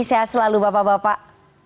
sehat selalu bapak bapak